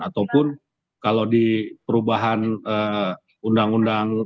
ataupun kalau di perubahan undang undang